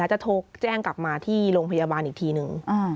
จะโทรแจ้งกลับมาที่โรงพยาบาลอีกทีหนึ่ง